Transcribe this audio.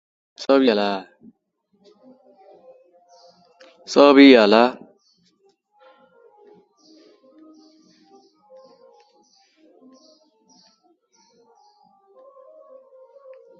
Shooting and recording were performed by Nelvana Canada.